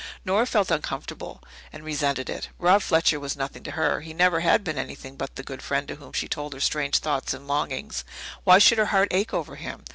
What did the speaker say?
Nora felt uncomfortable, and resented it. Rob Fletcher was nothing to her; he never had been anything but the good friend to whom she told her strange thoughts and longings. Why should her heart ache over him?